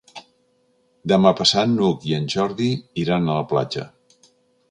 Demà passat n'Hug i en Jordi iran a la platja.